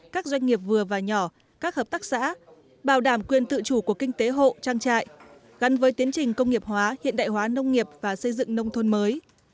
các doanh nghiệp vừa và nhỏ các hợp tác xã bảo đảm quyền tự chủ của kinh tế hộ trang trại gắn với tiến trình công nghiệp hóa hiện đại hóa nông nghiệp và xây dựng nông thôn mới